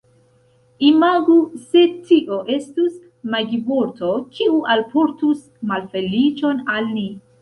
Imagu se tio estus magivorto, kiu alportus malfeliĉon al ni.